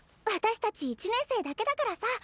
私たち１年生だけだからさ